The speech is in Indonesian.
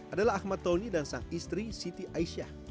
adalah ahmad tony dan sang istri siti aisyah